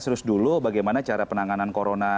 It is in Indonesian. serius dulu bagaimana cara penanganan corona